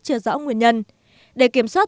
chưa rõ nguyên nhân để kiểm soát